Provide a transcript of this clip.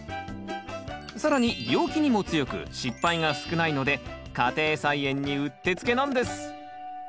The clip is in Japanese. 更に病気にも強く失敗が少ないので家庭菜園にうってつけなんです！